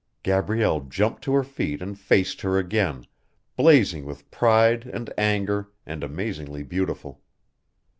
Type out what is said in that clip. Gabrielle jumped to her feet and faced her again, blazing with pride and anger and amazingly beautiful.